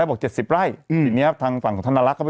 ถูกต้องถูกต้องถูกต้องถูกต้องถูกต้อง